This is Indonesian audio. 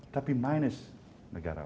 tapi minus negarawan